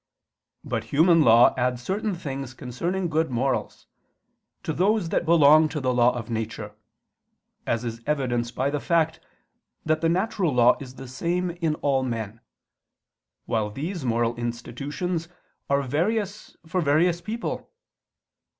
But human law adds certain things concerning good morals, to those that belong to the law of nature: as is evidenced by the fact that the natural law is the same in all men, while these moral institutions are various for various people.